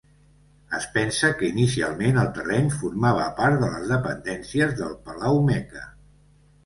Es pensa que inicialment el terreny formava part de les dependències del palau Meca.